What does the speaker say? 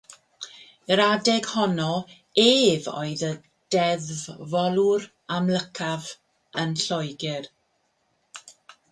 Yr adeg honno, ef oedd y deddfolwr amlycaf yn Lloegr.